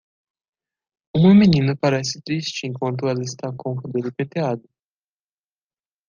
Uma menina parece triste enquanto ela está com o cabelo penteado.